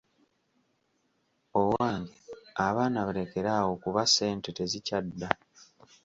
Owange abaana balekere awo kuba ssente tezikyadda.